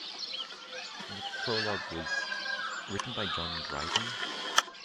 The prologue was written by John Dryden.